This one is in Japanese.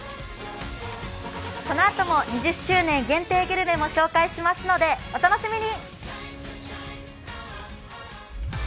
このあとも２０周年限定グルメも紹介しますので、お楽しみに。